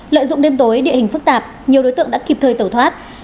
lợi dụng đêm tối địa hình phức tạp nhiều đối tượng đã kịp thời tẩu thoát